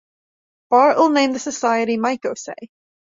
Bartle named the society Micosay.